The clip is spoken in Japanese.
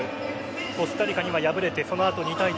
コスタリカには敗れてその後２対１